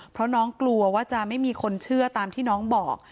เพราะน้องกลัวว่าจะไม่มีคนเชื่อตามที่น้องบอก